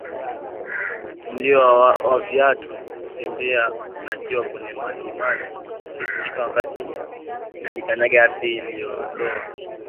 Mlio wa viatu kutembea akiwa kwenye maji maji ulisikika wakati akikanyaga ardi iliyoloa